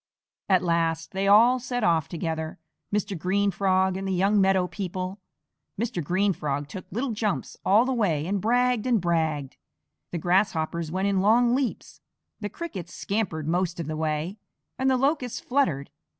At last they all set off together, Mr. Green Frog and the young meadow people. Mr. Green Frog took little jumps all the way and bragged and bragged. The Grasshoppers went in long leaps, the Crickets scampered most of the way, and the Locusts fluttered.